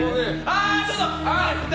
ちょっと！